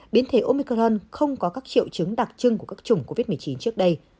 biến thể omicron không có các triệu chứng đặc trưng của các chủng covid một mươi chín trước đây